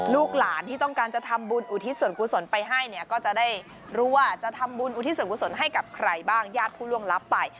ลูกหลานที่ต้องการจะทำบุญอุทิศส่วนกุศลไปให้เนี่ยก็จะได้รู้ว่าจะทำบุญอุทิศส่วนกุศลให้กับใครบ้างญาติผู้ล่วงลับไป